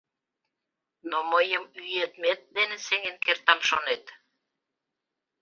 Но мыйым ӱедмет дене сеҥен кертам, шонет?